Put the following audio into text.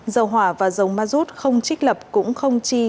dầu hỏa và dầu mazut không trích lập cũng không chi